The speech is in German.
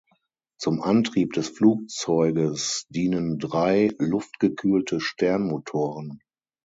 Zum Antrieb des Flugzeuges dienen drei luftgekühlte Sternmotoren.